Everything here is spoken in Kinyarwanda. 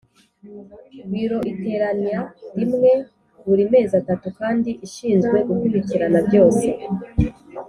Biro iterana rimwe buri mezi atatu kandi ishinzwe gukurikirana byose